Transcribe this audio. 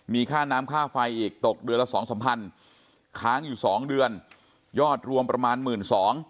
มีค่าน้ำค่าไฟอีกตกเดือนละสองสามพันค้างอยู่๒เดือนยอดรวมประมาณ๑๒๐๐